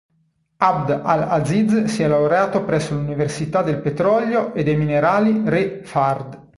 Abd al-Aziz si è laureato presso l'Università del Petrolio e dei Minerali Re Fahd.